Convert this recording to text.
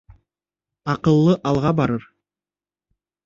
Аҡыллы алға барыр